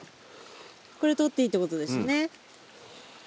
これ取っていいってことですよね？